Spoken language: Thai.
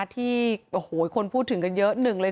ที่โอ้โหคนพูดถึงกันเยอะหนึ่งเลย